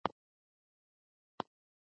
د ماښام تروږمۍ لګېدلې وه.